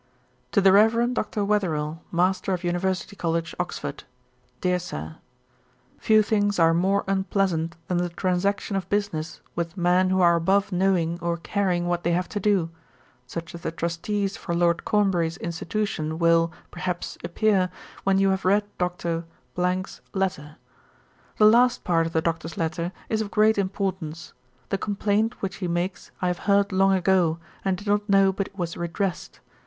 'To THE REVEREND DR. WETHERELL, MASTER OF UNIVERSITY COLLEGE, OXFORD. 'DEAR SIR, 'Few things are more unpleasant than the transaction of business with men who are above knowing or caring what they have to do; such as the trustees for Lord Cornbury's institution will, perhaps, appear, when you have read Dr. 's letter. 'The last part of the Doctor's letter is of great importance. The complaint which he makes I have heard long ago, and did not know but it was redressed.